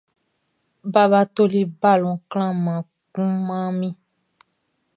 Baba toli balɔn klanhan kun man mi.